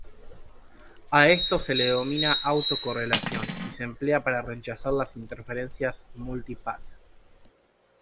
A esto se le denomina autocorrelación y se emplea para rechazar las interferencias "multi-path.